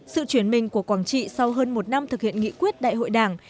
sự chuyển mình của quảng trị sau hơn một năm thực hiện nghị quyết đại hội đảng